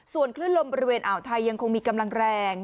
ส่วนคลื่นลมบริเวณอ่าวไทยยังคงมีกำลังแรง